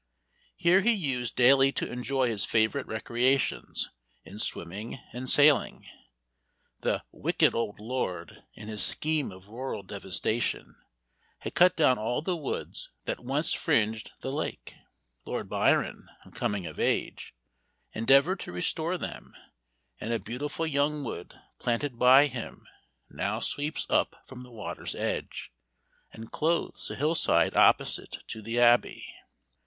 Here he used daily to enjoy his favorite recreations in swimming and sailing. The "wicked old Lord," in his scheme of rural devastation, had cut down all the woods that once fringed the lake; Lord Byron, on coming of age, endeavored to restore them, and a beautiful young wood, planted by him, now sweeps up from the water's edge, and clothes the hillside opposite to the Abbey.